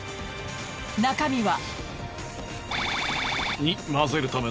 中身は。